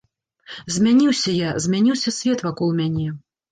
Змяніўся я, змяніўся свет вакол мяне.